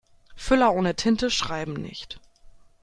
Füller ohne Tinte schreiben nicht.